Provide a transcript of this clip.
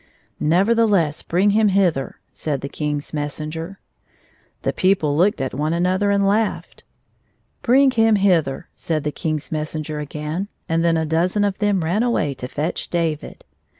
"Nevertheless, hring him hither," said the King's messenger. The people looked at one another, and laughed. " Bring him hither," said the King's messenger again, and then a dozen of them ran away to fetch David.